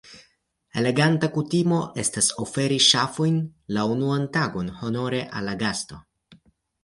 Eleganta kutimo estas oferi ŝafojn la unuan tagon honore al la gasto.